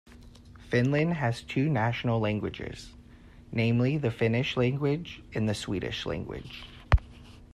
Finland has two national languages: namely the Finnish language and the Swedish language.